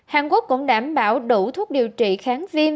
hàn quốc cũng đảm bảo đủ thuốc điều trị kháng viêm